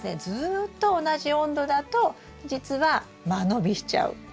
ずっと同じ温度だと実は間延びしちゃう。